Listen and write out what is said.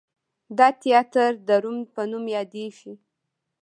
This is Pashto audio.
دا تیاتر د روم په نوم یادیږي.